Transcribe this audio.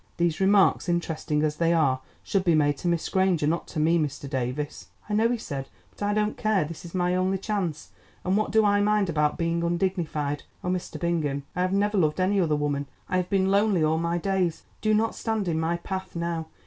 These remarks, interesting as they are, should be made to Miss Granger, not to me, Mr. Davies." "I know," he said, "but I don't care; it is my only chance, and what do I mind about being undignified? Oh, Mr. Bingham, I have never loved any other woman, I have been lonely all my days. Do not stand in my path now.